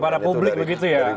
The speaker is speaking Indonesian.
kepada publik begitu ya